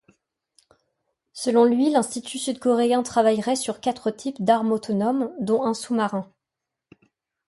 Selon lui, l'institut sud-coréen travaillerait sur quatre types d'armes autonomes, dont un sous-marin.